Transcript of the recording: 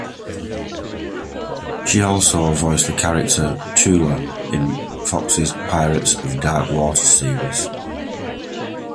She also voiced the character Tula in Fox's "Pirates of Dark water" series.